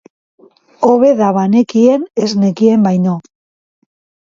Hobe da banekien ez nekien baino.